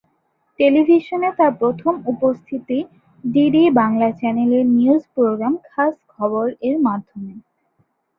টেলিভিশনে তার প্রথম উপস্থিতি ডিডি বাংলা চ্যানেলের নিউজ প্রোগ্রাম "খাস খবর"এর মাধ্যমে।